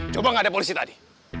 coba nggak ada polisi tadi